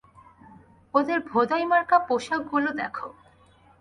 ওদের ভোদাইমার্কা পোশাকগুলো দেখো।